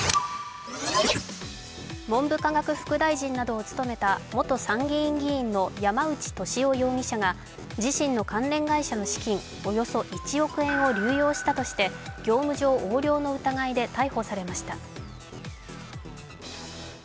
文部科学副大臣などを務めた元参議院議員の山内俊夫容疑者が自身の関連会社の資金およそ１億円を流用したとして業務上横領の疑いで逮捕されました。